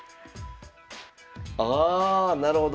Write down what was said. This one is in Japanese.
ああなるほど。